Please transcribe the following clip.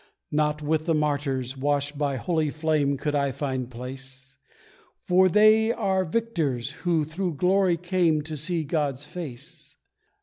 Not with the martyrs washed by holy flame Could I find place, For they are victors who through glory came To see God's face.